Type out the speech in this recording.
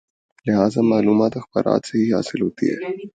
لہذا معلومات اخبارات سے ہی حاصل ہوتی ہیں۔